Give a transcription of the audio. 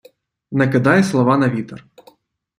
Не кидай слова на вітер.